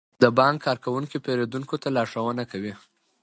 د بانک کارکونکي پیرودونکو ته لارښوونه کوي.